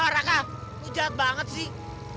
raka kau jahat banget sih